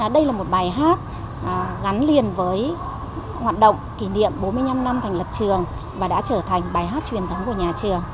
đây là một bài hát gắn liền với hoạt động kỷ niệm bốn mươi năm năm thành lập trường và đã trở thành bài hát truyền thống của nhà trường